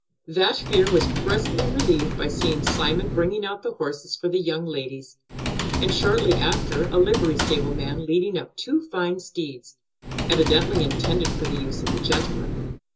That fear was presently relieved by seeing Simon bringing out the horses for the young ladies, and shortly after a livery stable man leading up two fine steeds, evidently intended for the use of the gentlemen.